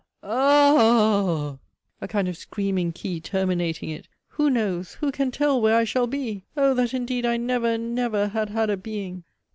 U gh o! a kind of screaming key terminating it) who knows, who can tell where I shall be? Oh! that indeed I never, never, had had a being!